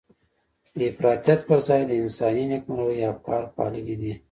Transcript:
د افراطيت پر ځای د انساني نېکمرغۍ افکار پاللي دي.